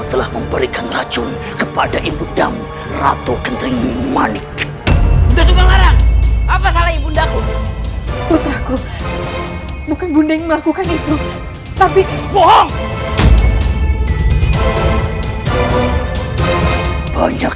sampai jumpa di video selanjutnya